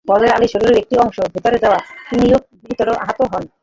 ফজর আলীর শরীরের একটি অংশ ভেতরে যাওয়ায় তিনিও গুরুতর আহত হন।